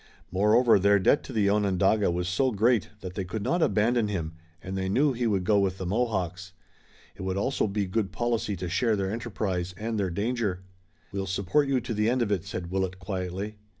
Moreover their debt to the Onondaga was so great that they could not abandon him, and they knew he would go with the Mohawks. It would also be good policy to share their enterprise and their danger. "We'll support you to the end of it," said Willet quietly.